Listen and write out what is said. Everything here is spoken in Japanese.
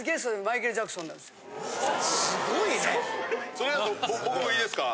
それやったら僕もいいですか？